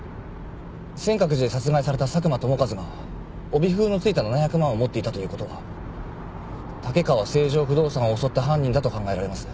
先覚寺で殺害された佐久間友和が帯封のついた７００万を持っていたという事は竹川成城不動産を襲った犯人だと考えられます。